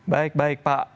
baik baik pak